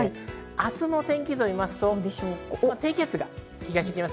明日の天気図を見ると低気圧が東へ行きます。